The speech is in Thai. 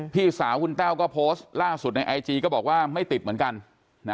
พี่สาวคุณแต้วก็โพสต์ล่าสุดในไอจีก็บอกว่าไม่ติดเหมือนกัน